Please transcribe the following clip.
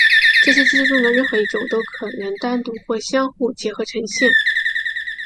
这些机制中的任何一种都可能单独或相互结合呈现。